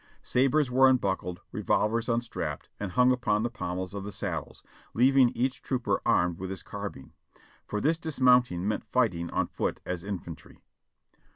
Sabres were unbuckled, revolvers unstrapped and hung upon the pommels of the saddles, leaving each trooper armed with his carbine ; for this dismounting meant fighting on foot as infantry.